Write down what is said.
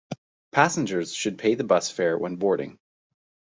Passengers should pay the bus fare when boarding.